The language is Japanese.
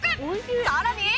さらに